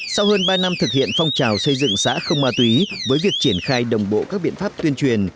sau hơn ba năm thực hiện phong trào xây dựng xã không ma túy với việc triển khai đồng bộ các biện pháp tuyên truyền